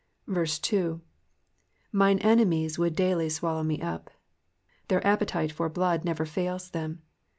3. *^^Mine enemies would daily swallow me tfp." Their appetite for blood never fails them.